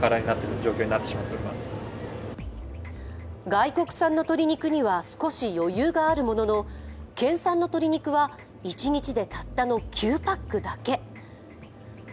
外国産の鶏肉には少し余裕があるものの県産の鶏肉は一日でたったの９パックだけ。